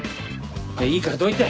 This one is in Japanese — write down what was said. いいからどいて！